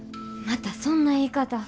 またそんな言い方。